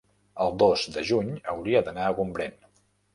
el dos de juny hauria d'anar a Gombrèn.